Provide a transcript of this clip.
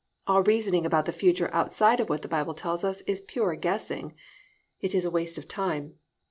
All reasoning about the future outside of what the Bible tells us is pure guessing, it is a waste of time.